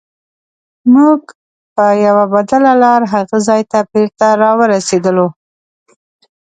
موږ په یوه بدله لار هغه ځای ته بېرته راورسیدلو.